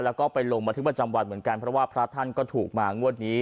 แล้วก็ไปลงบันทึกประจำวันเหมือนกันเพราะว่าพระท่านก็ถูกมางวดนี้